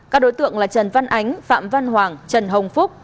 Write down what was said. các đối tượng là trần văn ánh phạm văn hoàng trần hồng phúc